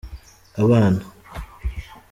abana.